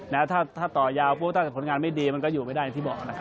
แล้วถ้าต่อยาวถ้าผลงานไม่ดีมันก็อยู่ไปได้อย่างที่บอก